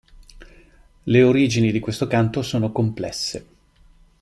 Le origini di questo canto sono complesse.